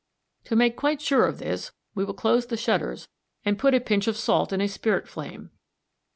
] To make quite sure of this we will close the shutters and put a pinch of salt in a spirit flame.